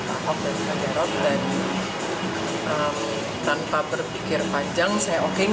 ahok dan jarot dan tanpa berpikir panjang saya oking